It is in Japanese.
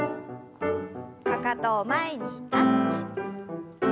かかとを前にタッチ。